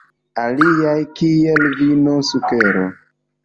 Aliaj, kiel vino, sukero.